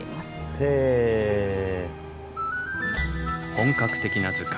本格的な図鑑。